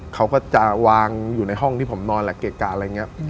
เขาก็จะวางอยู่ในห้องที่ผมนอนแหละเกะกะอะไรอย่างนี้